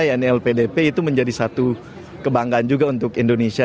ini lpdp itu menjadi satu kebanggaan juga untuk indonesia